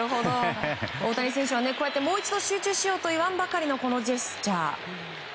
大谷選手はもう一度集中しようと言わんばかりのジェスチャー。